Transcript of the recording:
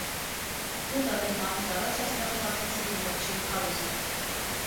Բուդդան իր մահից առաջ այստեղ է կարդացել իր վերջին քարոզը։